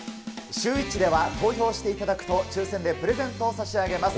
シューＷｈｉｃｈでは、投票していただくと、抽せんでプレゼントを差し上げます。